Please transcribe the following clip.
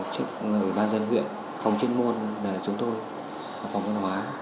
trực người ban dân huyện phòng chuyên môn là chúng tôi phòng văn hóa